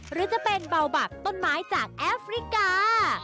หรือจะเป็นเบาบักต้นไม้จากแอฟริกา